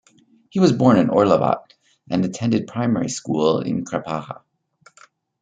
He was born in Orlovat, and attended primary school in Crepaja.